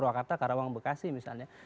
di purwakarta karawang bekasi misalnya